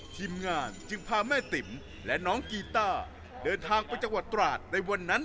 ทีมงานจึงพาแม่ติ๋มและน้องกิตต้า